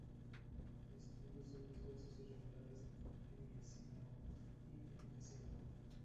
El estribillo son dos versos irregulares-eneasílabo y endecasílabo.